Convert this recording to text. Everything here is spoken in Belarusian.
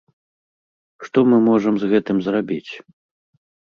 Што мы можам з гэтым зрабіць?